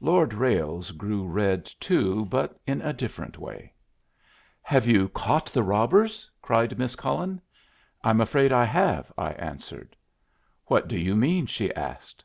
Lord Ralles grew red too, but in a different way. "Have you caught the robbers?" cried Miss Cullen. "I'm afraid I have," I answered. "What do you mean?" she asked.